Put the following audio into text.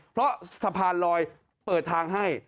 เพราะสะพานลอยเปิดทางให้